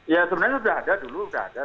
ya sebenarnya sudah ada dulu sudah ada